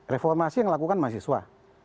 reformasi yang dilakukan mahasiswa